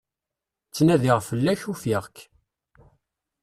Ttnadiɣ fell-ak, ufiɣ-k.